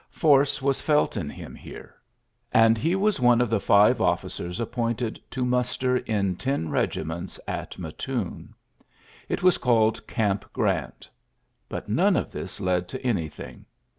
Force was felt in him here ; and he was one of the five officers appointed to muster in ten regiments at Mattoon. It was called Gamp Grant But none of this led to anything.